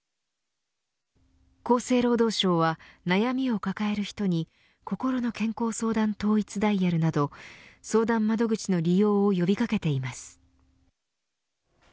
厚生労働省は悩みを抱える人にこころの健康相談統一ダイヤルなど相談窓口の利用を呼び掛けています。